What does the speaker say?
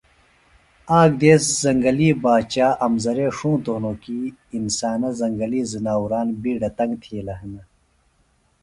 آک دیس زنگلی باچا امزرے ݜُونتوۡ ہنوۡ کیۡ انسانہ زنگلی زناوران بیڈہ تنگ تِھیلہ ہِنہ